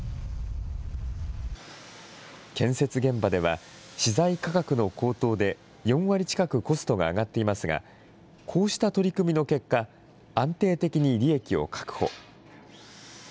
建設現場では、資材価格の高騰で４割近くコストが上がっていますが、こうした取り組みの結果、安定的に利益を確保。